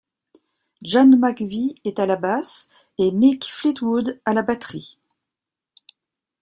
John McVie est à la basse et Mick Fleetwood à la batterie.